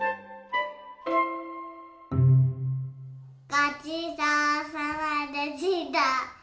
ごちそうさまでした！